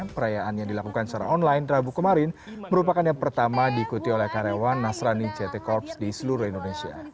perayaan yang dilakukan secara online rabu kemarin merupakan yang pertama diikuti oleh karyawan nasrani ct corps di seluruh indonesia